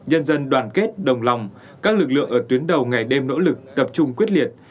nhân dân đoàn kết đồng lòng các lực lượng ở tuyến đầu ngày đêm nỗ lực tập trung quyết liệt